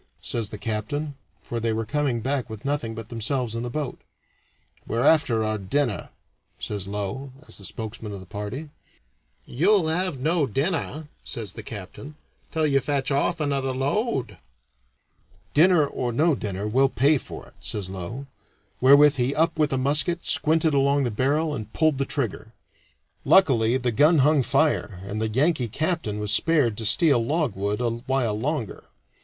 says the captain, for they were coming back with nothing but themselves in the boat. "We're after our dinner," says Low, as spokesman of the party. "You'll have no dinner," says the captain, "until you fetch off another load." "Dinner or no dinner, we'll pay for it," says Low, wherewith he up with a musket, squinted along the barrel, and pulled the trigger. Luckily the gun hung fire, and the Yankee captain was spared to steal logwood a while longer.